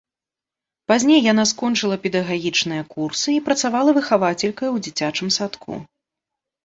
Пазней яна скончыла педагагічныя курсы і працавала выхавацелькай у дзіцячым садку.